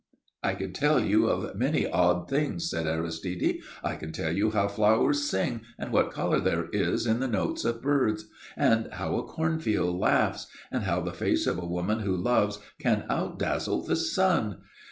"I can tell you of many odd things," said Aristide. "I can tell you how flowers sing and what colour there is in the notes of birds. And how a cornfield laughs, and how the face of a woman who loves can outdazzle the sun.